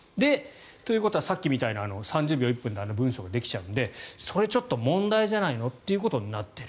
ということはさっきみたいな３０秒、１分であの文章ができちゃうんでそれはちょっと問題じゃないのということになっている。